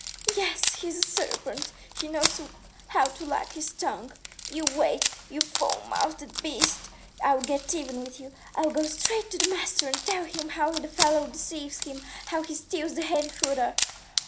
"Yes, he's a serpent. He knows how to wag his tongue. You wait, you foul mouthed beast, I'll get even with you. I'll go straight to the master and tell him how the fellow deceives him, how he steals the hay and fodder.